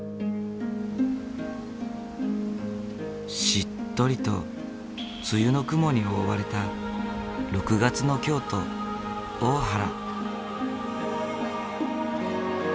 しっとりと梅雨の雲に覆われた６月の京都大原。